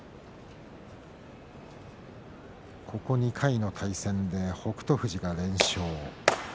ここ２回の対戦で北勝富士が連勝です。